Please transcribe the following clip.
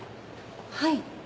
はい。